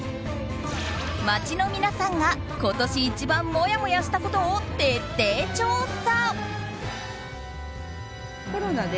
街の皆さんが今年一番もやもやしたことを徹底調査。